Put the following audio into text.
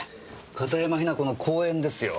片山雛子の講演ですよ。